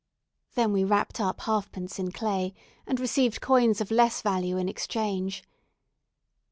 Then we wrapped up halfpence in clay, and received coins of less value in exchange.